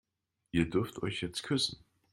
Ihr dürft euch jetzt küssen.